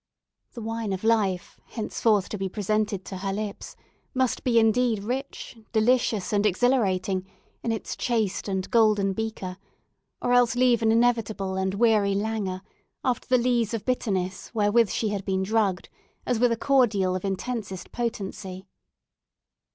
The wine of life, henceforth to be presented to her lips, must be indeed rich, delicious, and exhilarating, in its chased and golden beaker, or else leave an inevitable and weary languor, after the lees of bitterness wherewith she had been drugged, as with a cordial of intensest potency.